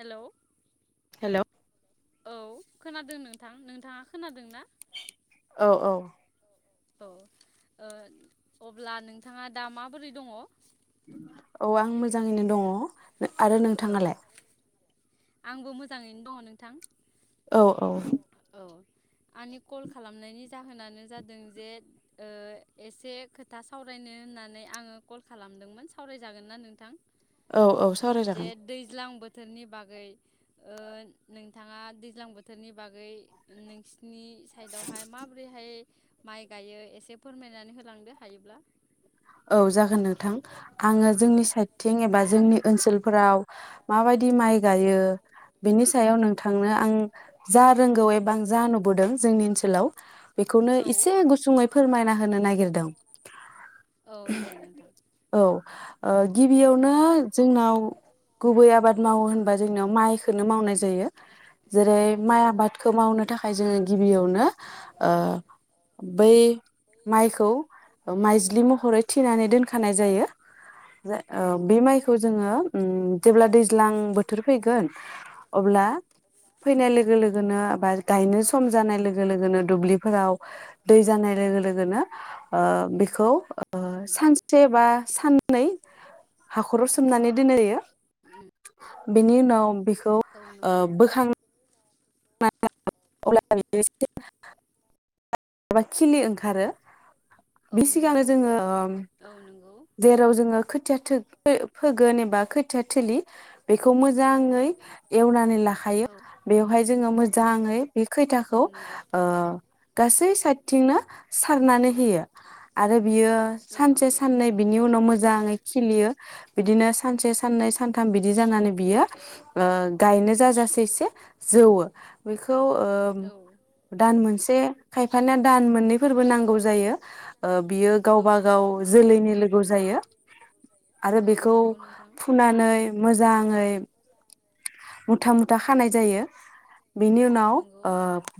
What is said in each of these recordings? Hello hello औ खोनादों नोंथां नोंथाङा खोनादोंना? औ औ औ अब्ला नोंथाङा दा माबोरै दङ? औ आं मोजाङैनो दङ। आरो नोंथाङालाय? आंबो मोजाङैनो दङ नोंथां। औ औ अ आंनि कल खालामनायनि जाहोनानो जादों जे एसे खोथा सावरायनो होननानै आङो कल खालामदोंमोन सावरायजागोन ना नोंथां? औ औ सावराय जे जागोन दैज्लां बोथोरनि बागै ओ नोंथाङा दैज्लां बोथोरनि बागै नोंसि नि साइदावहाय माबोरैहाय माइ गायो एसे फोरमायनानै होलांदो हायोब्ला औ जागोन नों थां आंयो औ जोंनि साइडथिं एबा जोंनि ओनसोल फोराव माबायदि माइ गायो बिनि सायाव नोंथांनो आं जा रोंगौ एबा आं जा नुबोदों जोंनि ओनसोलाव बेखौनो औ एसे गुसुङै फोरमायना होनो नागिरदों। औ दे नोंथां उह औ ओ गिबियावनो जोंनाव गुबै आबाद मावो होनबा जोंनियाव माइखौनो मावनाय जायो। जेरै औ माइ नंगौ आबादखौ मावनो थाखाय जोङो गिबियावनो ओ बै माइखौ माइज्लि महरै थिनानै दोनखानाय जायो, औ ओ बे नंगौ माइखौ जोङो, जेब्ला दैज्लां बोथोर फैगोन। अब्ला फैनाय लोगो लोगोनो बा गायनो सम जानाय लोगो लोगोनो दुब्लिफोराव दै जानाय लोगो लोगोनो बेखौ उम सानसे बा सानै हाखराव मान [unintelligible] उम [unintelligible] बेनि उनाव बेखौ औ ओ नंगौ बोखां मा खिलि ओंखारो [unintelligible] औ बि सिगांनो नंगौ जोङो ओ औ नंगौ जेराव जोङो या थो फोगोन एबा खोथिया थलि बेखौ मोजाङै एवनानै लाखायो औ बे जोङो मोजां ओइ बे औ खोथियाखौ नंगौ ओ गासै सारनानै होयो। आरो बियो औ सानसे नंगौ सान्नै बिनि उनाव मोजां खिलियो। बिदिनो सानसे सान्नै सानथाम बिदि जानानै बियो गायनो जाजासे जौ बेखौ औ दान मोनसे खायफानिा दान मोननैफोरबो नांगौ जायो बियो औ गावबा गाव नंगौ जोलैनि लोगो जायो आरो औ बेखौ नंगौ नोंथां फुनानै मोजाङै मुथा मुथा। खानाय जायो। बेनि औ उनाव नंगौ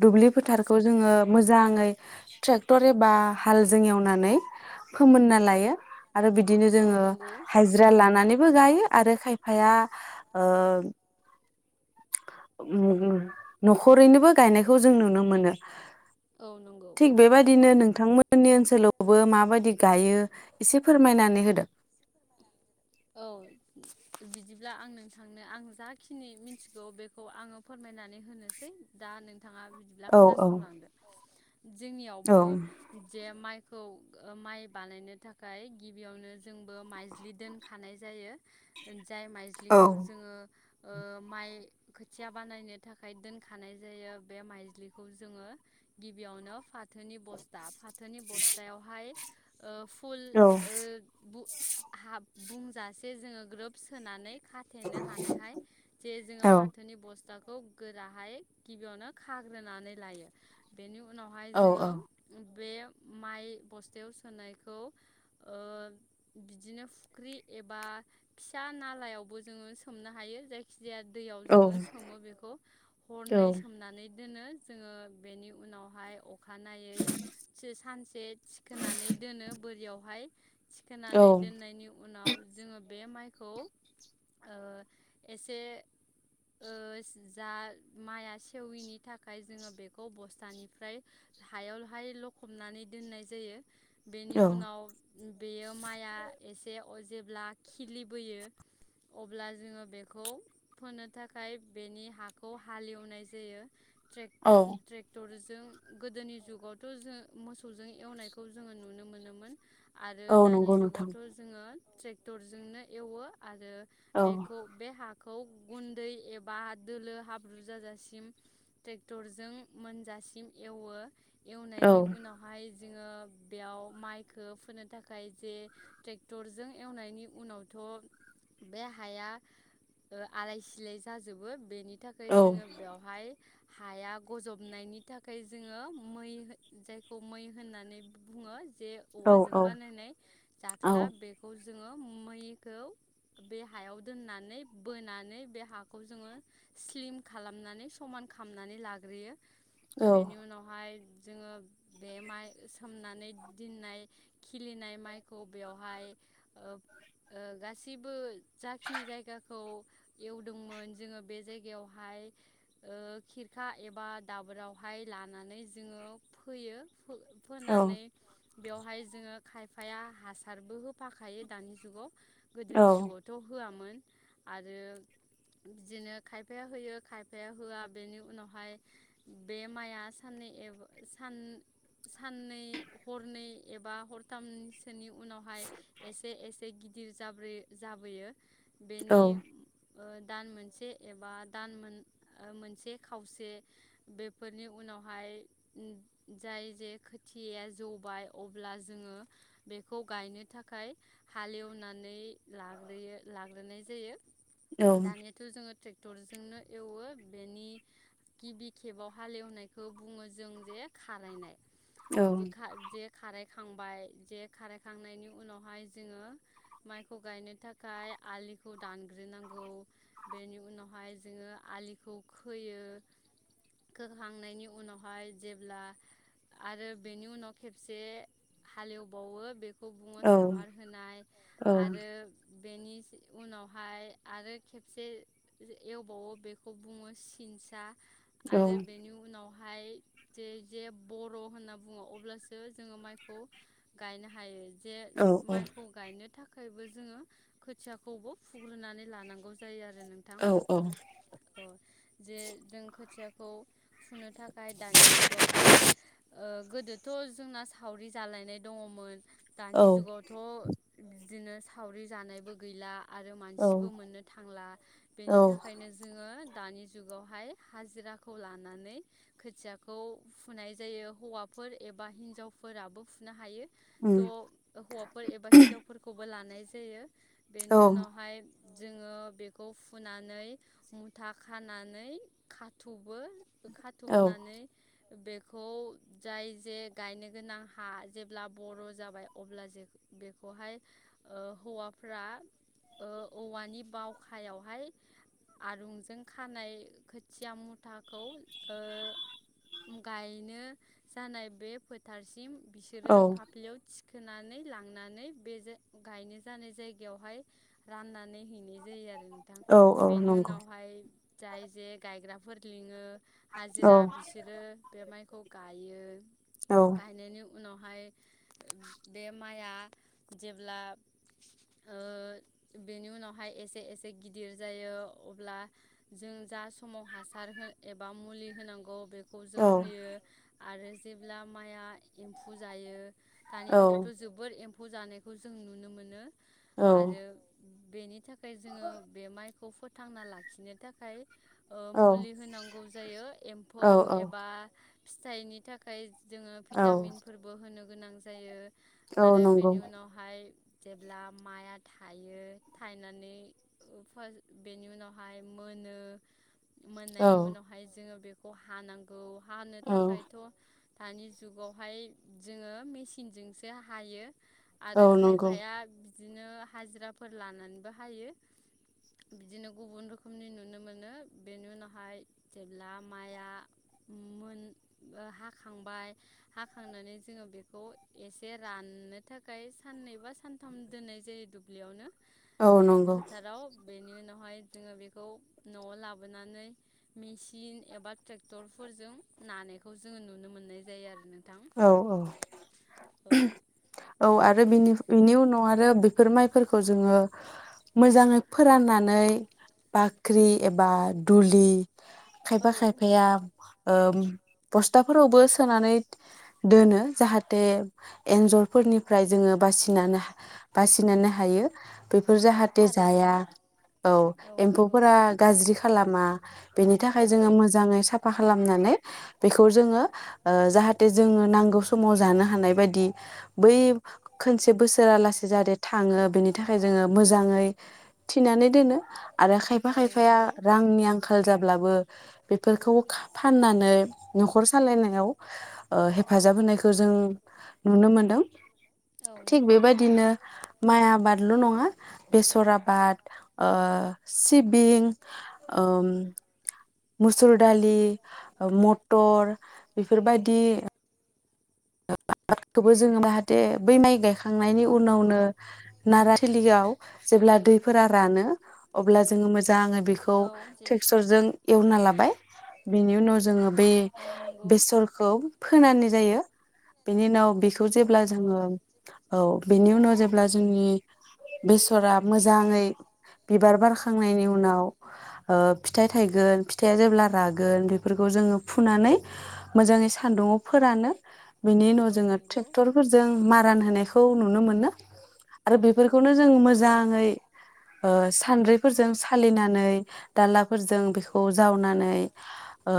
दुब्लि फोथारखौ जोङो मोजाङै ट्रेक्टर एबा हालजों एवनानै फोमोनना लायो। आरो बिदिनो औ जोङो नंगौ हाजिरा लानानैबो गायो आरो खायफाया ओ न'खरैनोबो गायनायखौ जों नुनो मोनो। औ नंगौ थिग बेबायदिनो नोंथांमोननि ओनसोलाव बो माबायदि गायो एसे फोरमायनानै होदो, औ बिदिब्ला आं नोंथांनो आं जाखिनि मिथिगौ बेखौ आंङो फोरमायनानै होनोसै दा नों नोंथांङा बिदिब्ला औ औ खोनासंलांदो। औ जोंनियावबो जे माइ खौ माइ बानायनो थाखाय गिबियावनो जोंबो माइज्लि दोनखानाय जायो। जाय औ माइज्लिखौ जोंङो। ओ माइ खोथिया बानायनो थाखाय दोनखानाय जायो बे माइज्लिखौ जोंङो गिबियावनो फा फाथोनि बस्था फाथोनि बस्थायावहाय, ओ। औ ओ बु हा बुंजासे जोंङो ग्रोब सोनानै खाथेनो हानायहाय जे जोंङो फाथोनि बस्था बस्थाखौ गोराहाय गिबियावनो खाग्रोनानै लायो बेनि उन उनावहाय औ जोंङो बे माइ बस्थायाव सोनायखौ ओ बिदिनो फुख्रि एबा फिसा नालायावबो जोंङो सोमनो हायो जायखि जिया दैयाव जोंङो सोमो बेखौ औ हरनै सोमनानै दोनो जोंङो बेनि उनावहाय अखानायै सानसे थिखोनानै दोनो बोरियाव [unintelligible] औ थिखोनानै दोननायनि उनाव जोंङो बे माइखौ ओ एसे ओ जा माइआ सेवयिनि थाखाय जोंङो बेखौ बस्थानिफ्राय हायाव हाय लख'बनानै दोननाय जायो बेनि उनाव बेयो माइआ एसे अ जेब्ला खिलिबोयो अब्ला जोंङो बेखौ फोनो थाखाय बेनि हाखौ हालेवनाय जायो ट्रे ट्रेक्टर जों जों गोदोनि जुगावथ जों मोसौजों एवनायखौ जोंङो नुनो मोनोमोन। आरो औ दानि नंगौ नोंथां जुगावथ' जोंङो ट्रेक्टरजोंनो एवो। आरो औ बेखौ बे हा खौ गुन्दै एबा दोलो हाब्रु जाजासिम ट्रेक्टरजों मोनजासिम एवो औ एवनायनि उनावहाय जोङो बेयाव माइखौ फोनो। थाखाय जे ट्रेक्टरजों एवनायनि उनावथ' बे हाया ओ आलाय सिलाय जाजोबो बेनि। नि थाखाय औ जोङो बेवहाय। हाया गजबनायनि थाखाय जोङो मै जायखौ मै होननानै बुङो। जे औ औवाजों। औ बानायनाय औ जाख्ला बेखौ। जोङो मैखौ बे हायाव दोननानै बोनानै बे हाखौ जोङो स्लिम खालामनानै समान खालामनानै लाग्रोयो। बेनि उनावहाय। जोङो बे माइ सोमनानै दोननाय। खिलिनाय माइखौ बेवहाय ओ गासैबो। जाखिनि जायगाखौ एवदोंमोन जोङो बे जायगायावहाय ओ खिरखा एबा दाबोरावहाय लानानै जोङो फोयो फो औ फोनानै बेवहाय जोङो खायफाया हासारबो होफाखायो दानि जुगाव गोदोनि जुगावथ' होआमोन आरो बिदिनो खायफाया होयो खायफाया होआ बेनि उनावहाय बे माया साननै एबा सान साननै हरनै एबा हरथामसोनि उ उनावहाय एसे एसे एसे गिदिर जाब्रे जाबोयो बेनि ओ दान मोनसे एबा दान मोन मोनसे खावसे बेफोरनि उनावहाय जाय जे खोथिया जौबाय अब्ला जोङो बेखौ गायनो थाखाय हालेवनानै लाग्रोयो लाग्रोनाय जायो दानियाथ' जोङो ट्रे क्टरजोंनो एवो बेनि गिबि खेबाव हालेवनायखौ बुङो जों जे खारायनाय जेखा जेग खारायखांबाय जे खारायखांनायनि उनावहाय जोङो माइखौ गायनो थाखाय आलिखौ दानग्रोनांगौ बेनि उनावहाय जोङो आलिखौ खोयो खोखांनायनि उनावहाय जेब्ला आरो बेनि उनाव खेब से हालेवबावो बे खौ बुङो सामार होनाय औ आरो बेनि उनावहाय आरो खेबसे एवबावो बेखौ बुङो सिनसा आरो बेनि उनाव बहाय जे जे बर' होनना बुङो अब्लासो जों जोङो माइखौ गायनो हायो जे माइखौ गायनो थाखाय थाखायबो जोङो खोथियाखौबो फुग्रोनानै लानांगौ जायो आरो नोंथां अ जे जों खोथिया खौ फुनो थाखाय दानि जुगावहाय ओ गोदोथ जोंना सावरि जालायनाय दङमोन दानि जुगावथ बिदिनो सावरि जानायबो गैला आरो औ मानसिबो मोननो थांला बेनि औ थाखायनो जोङो दानि जुगावहाय हाजिराखौ लानानै खोथियाखौ फुनाय जायो हौवाफोर एबा हिन्ज जावफोराबो फुनो हायो त उम हौवाफोर एबा हिनजावफोरखौबो लानाय जायो बेनि औ उनावहाय जोङो बेखौ फुनानै मुथा खानानै खाथुबो औ खाथुबनानै बेखौ जाय जे गायनो गोनां हा जेब्ला बर' जाबाय अब्ला जो बेखौहाय ओ हौवाफ्रा ओ औवानि बावखायावहाय आरुंजों खानाय खोथिया मुथाखौ ओ गायनो जानाय बे फोथारसिम बिसोरो औ फाफ्लियाव थि खोनानै लांनानै बे जा गायनो जानाय जायगायावहाय राननानै हैनाय जायो आरो नोंथां। औ औ बेनि नंगौ उनावहाय जाय जे गायग्राफोर लिङो औ हाजिरा बिसोरो बे माय खौ गायो। औ। गायनायनि उनावहाय बे माइया जेब्ला ओ बेनि उनावहाय एसे एसे गिदिर जायो अब्ला जों जा समाव हासार हो एबा मुलि होनांगौ बे खौ जों औ होयो आरो जेब्ला माइया इम्फु जायो दानि जुगावथ औ जोबोद एम फौ जानायखौ जों नुनो मोनो। औ आरो बेनि था खाय जोङो बे माइ खौ फोथांना लाखिनो थाखाय ओ औ मुलि होनांगौ जायो औ एम्फौ एबा फिथाइनि थाखाय जोङो औ भिटामिनफोरबो होनो गोनां जायो। औ आरो नंगौ बेनि उनावहाय जेब्ला माइया थायो थायनानै [unintelligible] बेनि उनावहाय मोनो औ मोननायनि उनावहाय जोङो बे खौ हानांगौ। हानो औ थाखायथ' दानि जुगावहाय जोङो मेचिनजोंसो हायो औ आरो नंगौ खायफाया बिदिनो हाजिराफोर लानानैबो हायो बिदिनो गुबुन रोखोमनि नुनो मोनो बेनि उनावहाय जेब्ला माइआ मोन ओ हा हाखांबाय हाखांनानै जोंङो बेखौ एसे राननो थाखाय साननैबा सानथाम दोननाय जायो दुब्लियावनो औ नंगौ फोथाराव बेनि उनावहाय जोंङो बेखौ न आव लाबोनानै मेसिन एबा ट्रेक्टरफोरजों नानायखौ जोंङो नुनो मोनो मोननाय जायो आरो ना [inaudible] औ औ औ आरो बेनि उनाव आरो बेफोर माइफोरखौ जोंङो मोजांङै फोराननानै बाख्रि एबा दुलि औ खायफा खायफाया ओ बस्थाफोरावबो सोनानै दोनो जाहाथे एन्जरफोरनिफ्राय जोंङो बासि बासिनानै हायो बेफोर औ जाहाथे थारैनो जाया औ एम्फौफोरा गाज्रि खालामा बेनि थाखाय औ जोंङो मोजांङै साफा खालामनानै बेखौ जोंङो जाहा जाहाथे जोंङो नांगौ समाव जानो हानाय बाददि बै खोनसे बोसोरालासे जाहाथे थांङो बेनि थाखाय जोंङो मोजांङै थिनानै दोनो आरो खायफा औ खायफाया नंगौ रांनि आंखाल जाब्लाबो बेफोरखौ फाननानै नखर सालायनायाव हेफाजाब होनायखौ जों नुनो मोनदों औ थिग नंगौ बेबायदिनो माइ आबादल नंङा बेसर आबाद ओ सिबिं ओ [inaudible] मसुर दालि मटर बेफोरबायदि आबादखौबो जोंङो दे बै माइ गायखांनायनि औ उनावनो नंगौ नारथिलियाव जेब्ला दैफोरा रानो अब्ला जोंङो मोजां आंङो बेखौ औ जे ट्रेक्सरजों एवना लाबो बिनि उनाव जोंङो बे औ नंगौ बेसरखौ फोनानै जायो बिनि उनाव बेखौ औ जेब्ला नंगौ जोंङो औ बेनि उनाव जे अब्ला जोंनि बेसरा मोजांङै बिबार बारखां बारखांनायनि उनाव आ- फिथाइ थाइगोन फिथाइया जेब्ला रागोन बेफोरखौ जोंङो फुनानै मोजांङै सान्दुंआव फोरानो [unintelligible] बेनि उनाव औ जोंङो नंगौ ट्रेक्टर फोरजों मारान होनायखौ नुनो मोनो औ आरो नंगौ बेफोरखौनो जों नोंथां मोजांङै ओ सानद्रि फोरजों सालिनानै धालाफोरजों बेखौ जावनानै आ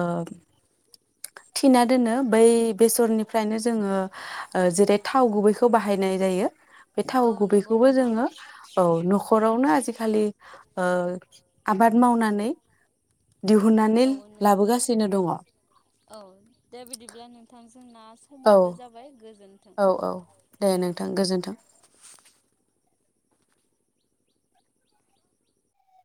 थिना दोनो बै बे फोरनिफ्रायनो जोंङो जेरै थाव गुबैखौ बाहायनाय जायो बे थाव औ नंगौ गुबैखौबो नोंथां जोंङो औ न हरावनो आजिखालि ओ- आबाद मावनानै दिहुननानै औ लाबोगासिनो दंङ औ दे बिदिब्ला नोंथां जोंना समाबो जाबाय गोजोन्थों औ औ दे नोंथां गोजोन्थों। [inaudible]